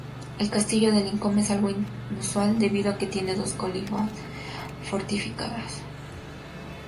El Castillo de Lincoln es algo inusual debido a que tiene dos colinas fortificadas.